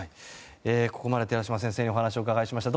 ここまで寺嶋先生にお話をお伺いしました。